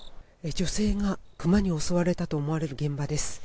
女性がクマに襲われたと思われる現場です。